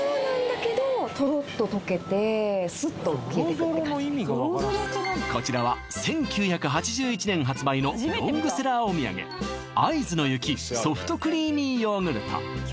私がこちらは１９８１年発売のロングセラーお土産会津の雪ソフトクリーミィヨーグルト